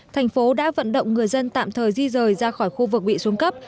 thành phố đã vận động người dân tạm thời di rời ra khỏi khu vực bị xuống cấp